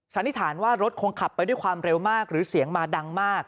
สันนิษฐานว่ารถคงขับไปด้วยความเร็วมากหรือเสียงมาดังมาก